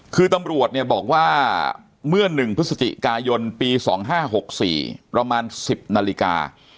คือตำรวจเนี่ยบอกว่าเมื่อ๑พฤศจิกายนปี๒๕๖๔ประมาณ๑๐นาฬิกา